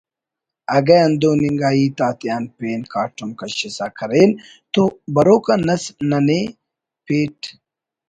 اگہ ہندن انگا ہیت آتیان پین کاٹم کشسا کرین تو بروک آ نسل ننے پیٹ